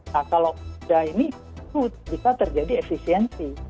nah kalau sudah ini itu bisa terjadi efisiensi